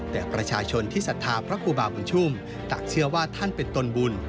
แต่ประชาชนที่ศรัทธาพระครูบาบุญชุ่มต่างเชื่อว่าท่านเป็นตนบุญ